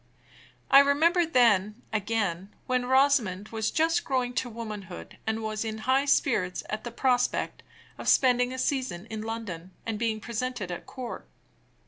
I remember then, again, when Rosamond was just growing to womanhood, and was in high spirits at the prospect of spending a season in London, and being presented at court.